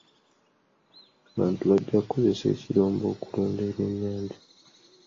Abantu bajja kukozesa ekirombe okulunda ebyennyanja.